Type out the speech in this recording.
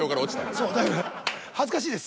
そうだから恥ずかしいです。